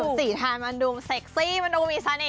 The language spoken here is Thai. สีทานมันดูเซ็กซี่มันดูมีเสน่ห